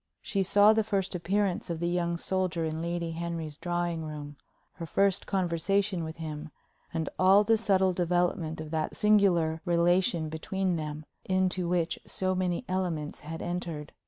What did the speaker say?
She saw the first appearance of the young soldier in Lady Henry's drawing room; her first conversation with him; and all the subtle development of that singular relation between them, into which so many elements had entered.